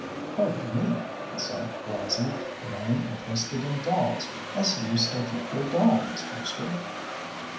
"Pardon me," he said, rising, "but I am interested in dolls. I see you still keep your doll, Miss Brewster."